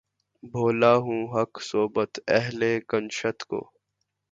بھولا ہوں حقِ صحبتِ اہلِ کنشت کو